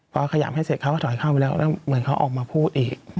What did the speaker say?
พอขยำให้เสร็จเขาก็ถอยเข้าไปแล้วแล้วเหมือนเขาออกมาพูดอีก